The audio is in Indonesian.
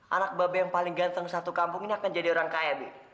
anak bapak yang paling ganteng satu kampung ini akan jadi orang kaya